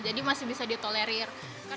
jadi masih bisa ditolerir